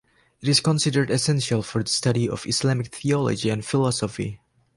It is considered essential for the study of Islamic theology and philosophy.